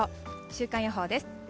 週間予報です。